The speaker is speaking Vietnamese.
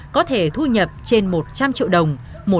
có thể thu nhập trên một trăm linh triệu đồng